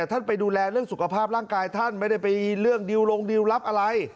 ท่านไปดูแลเรื่องสุขภาพร่างกายท่านไม่ได้ไปเรื่องดิวลงดิวรับอะไร